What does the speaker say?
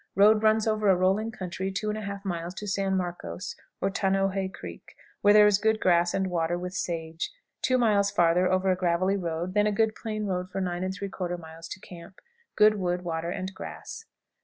Road runs over a rolling country 2 1/2 miles to San Marcos, or Tanoje Creek, where there is good grass and water, with sage. Two miles farther over a gravelly road, then a good plain road for 9 3/4 miles to camp. Good wood, water, and grass. 23.